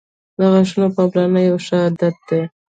• د غاښونو پاملرنه یو ښه عادت دی.